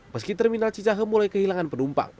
meski terminal cicahem mulai kehilangan penumpang